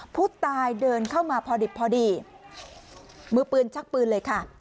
ผู้ตายเดินเข้ามาพอดิบพอดีมือปืนชักปืนเลยค่ะ